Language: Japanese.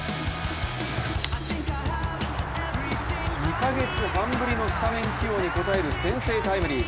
２か月半ぶりのスタメン起用に応える先制タイムリー。